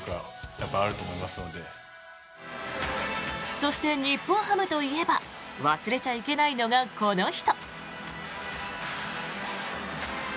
そして、日本ハムといえば忘れちゃいけないのがこの人。